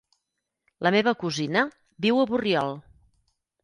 La meva cosina viu a Borriol.